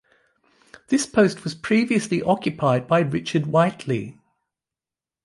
This post was previously occupied by Richard Whiteley.